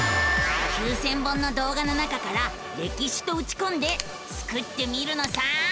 ９，０００本の動画の中から「歴史」とうちこんでスクってみるのさ！